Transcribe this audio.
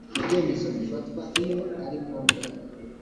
ibyemezo bifatwa iyo aringombwa.